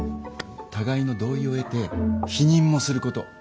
互いの同意を得て避妊もすること。